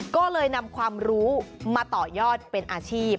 ก็เลยนำความรู้มาต่อยอดเป็นอาชีพ